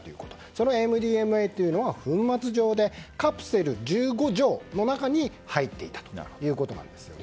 そのＭＤＭＡというのは粉末状でカプセル１５錠の中に入っていたということなんです。